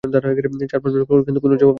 চার-পাঁচবার call করেছি কিন্তু কোনো জবাব দেয়নি।